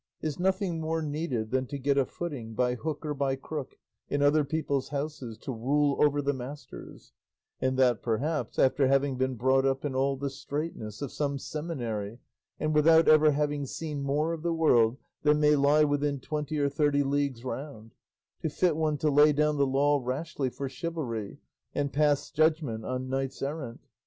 Is nothing more needed than to get a footing, by hook or by crook, in other people's houses to rule over the masters (and that, perhaps, after having been brought up in all the straitness of some seminary, and without having ever seen more of the world than may lie within twenty or thirty leagues round), to fit one to lay down the law rashly for chivalry, and pass judgment on knights errant?